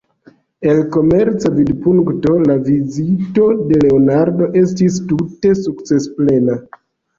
El komerca vidpunkto la vizito de Leonardo estis tute sukcesplena.